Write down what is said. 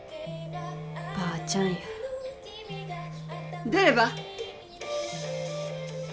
ばーちゃんや出れば？